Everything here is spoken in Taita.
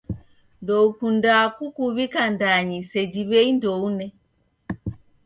Ndoukundaa kukuw'ika ndanyi seji w'ei ndoune.